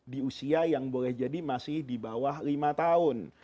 di usia yang boleh jadi masih di bawah lima tahun